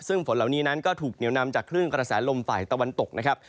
ซึ่งฝนเหล่านี้นั้นก็ถูกเหนียวนำจากคลื่นกระแสลมฝ่ายตะวันตกนะครับ